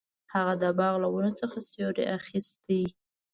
هغه د باغ له ونو څخه سیوری اخیست.